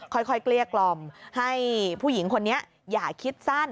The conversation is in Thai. เกลี้ยกล่อมให้ผู้หญิงคนนี้อย่าคิดสั้น